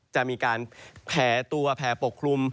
จะมีการแผลตัวแผ่ปกคลุม